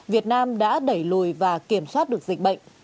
việt nam đã đẩy lùi và kiểm soát được dịch bệnh